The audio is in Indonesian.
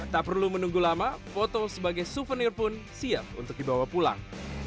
tak perlu menunggu lama foto sebagai souvenir pun siap untuk dibawa pulang